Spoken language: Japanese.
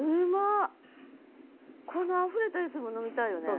このあふれたやつも飲みたいよね。